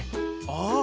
ああ。